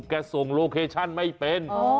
ส่งโลเคชั่นไม่เป็น